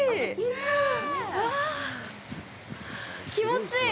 気持ちいい！